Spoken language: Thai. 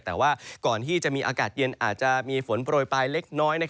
แต่ว่าก่อนที่จะมีอากาศเย็นอาจจะมีฝนโปรยปลายเล็กน้อย